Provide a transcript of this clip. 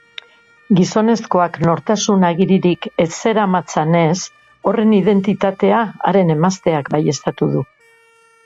Gizonezkoak nortasun agiririk ez zeramatzanez, horren identitatea haren emazteak baieztatu du.